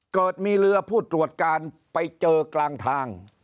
เกิดมีเรือผู้ตรวจการไปเจอกลางทาง